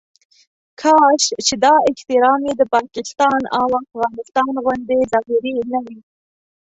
کاش چې دا احترام یې د پاکستان او افغانستان غوندې ظاهري نه وي.